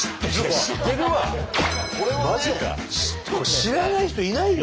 知らない人いないよ